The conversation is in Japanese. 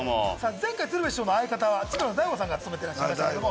前回鶴瓶師匠の相方は千鳥の大悟さんが務めてらっしゃいましたけども。